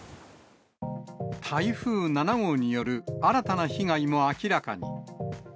台風７号による新たな被害も明らかに。